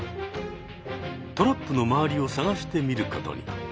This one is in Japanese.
トラップの周りを探してみることに。